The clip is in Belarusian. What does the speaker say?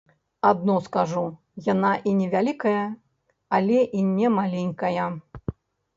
Адно скажу, яна і не вялікая, але і не маленькая.